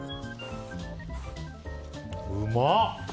うまっ！